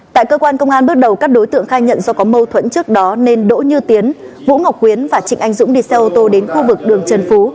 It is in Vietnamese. tại cơ quan công an bước đầu các đối tượng khai nhận do có mâu thuẫn trước đó nên đỗ như tiến vũ ngọc quyến và trịnh anh dũng đi xe ô tô đến khu vực đường trần phú